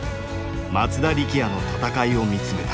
松田力也の戦いを見つめた。